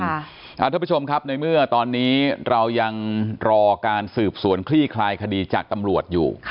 ท่านผู้ชมครับในเมื่อตอนนี้เรายังรอการสืบสวนคลี่คลายคดีจากตำรวจอยู่